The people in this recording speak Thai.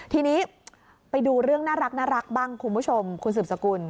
ทีนี้ไปดูเรื่องน่ารักบ้างคุณผู้ชมคุณสืบสกุล